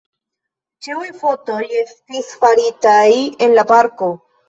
Ĉiuj fotoj estis faritaj en la parko.